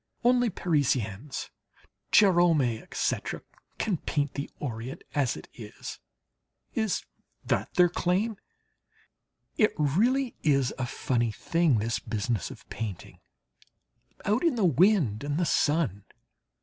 Only Parisians Gérôme, etc. can paint the Orient as it is is that their claim? It really is a funny thing, this business of painting, out in the wind and the sun.